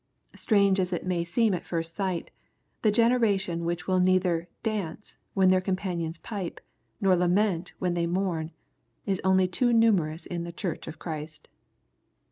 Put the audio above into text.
Strange as it may seem at first sight, the generation which will neither " dance" when their companions " pipe," nor " lament" when they " mourn," is only too numerous in the Church of Christ.